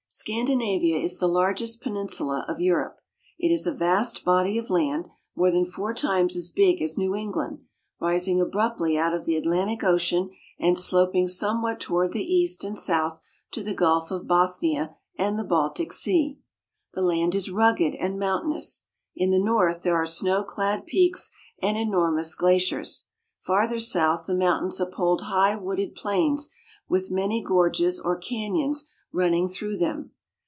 Scandinavia is the largest peninsula of Europe. It is a vast body of land, more than four times as big as New England, rising abruptly out of the Atlantic Ocean and sloping somewhat toward the east and south to the Gulf of Bothnia and the Baltic Sea. The land is rugged and mountainous. In the north there are snow clad peaks and enormous glaciers. Farther south the mountains uphold high wooded plains with many gorges or canyons running through them.